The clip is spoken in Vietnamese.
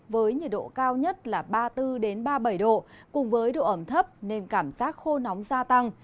với nhiệt độ cao nhất là ba mươi bốn ba mươi bảy độ cùng với độ ẩm thấp nên cảm giác khô nóng gia tăng